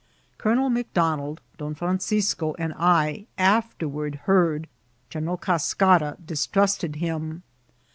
Colonel McDonald, Don FranciRO, and^ as I afterward heard, General Casoara, distrusted him.